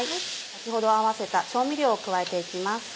先ほど合わせた調味料を加えて行きます。